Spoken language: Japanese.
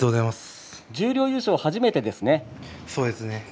十両優勝は初めてですね。